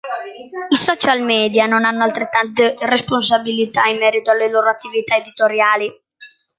I social media non hanno altrettante responsabilità in merito alle loro attività editoriali.